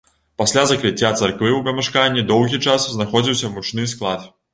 Пасля закрыцця царквы ў памяшканні доўгі час знаходзіўся мучны склад.